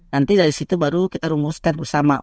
nanti dari situ baru kita rumuskan bersama